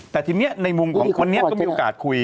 แต่ทีนี้ในมุมของวันนี้ก็มีโอกาสคุย